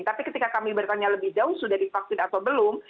tapi ketika kami bertanya lebih jauh sudah divaksin atau belum